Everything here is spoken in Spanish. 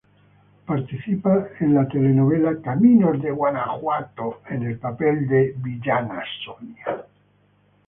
Participa en la telenovela Caminos de Guanajuato en el papel de la villana 'Sonia',